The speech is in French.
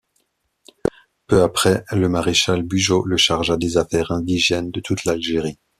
Peu après, le maréchal Bugeaud le chargea des affaires indigènes de toute l'Algérie.